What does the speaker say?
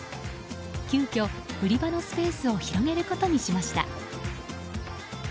急きょ、売り場のスペースを広げることにしました。